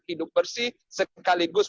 hidup bersih sekaligus